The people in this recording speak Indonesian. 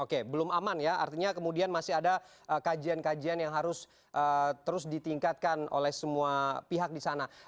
oke belum aman ya artinya kemudian masih ada kajian kajian yang harus terus ditingkatkan oleh semua pihak di sana